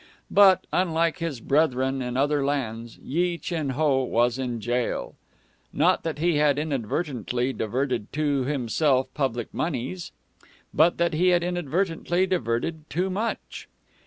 But, unlike his brethren in other lands, Yi Chin Ho was in jail. Not that he had inadvertently diverted to himself public moneys, but that he had inadvertently diverted too much.